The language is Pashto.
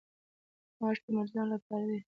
ماش د مریضانو لپاره دي.